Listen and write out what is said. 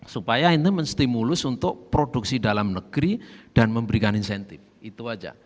supaya ini menstimulus untuk produksi dalam negeri dan memberikan insentif itu aja